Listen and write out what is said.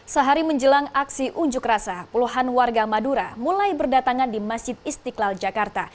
sehari menjelang aksi unjuk rasa puluhan warga madura mulai berdatangan di masjid istiqlal jakarta